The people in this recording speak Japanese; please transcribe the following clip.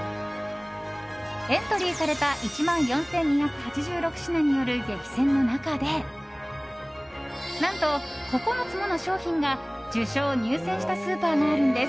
エントリーされた１万４２８６品による激戦の中で何と、９つもの商品が受賞・入選したスーパーがあるんです。